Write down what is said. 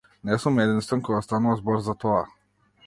Не сум единствен кога станува збор за тоа.